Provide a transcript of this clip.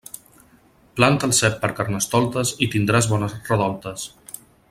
Planta el cep per Carnestoltes i tindràs bones redoltes.